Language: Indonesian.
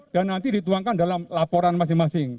nanti dituangkan dalam laporan masing masing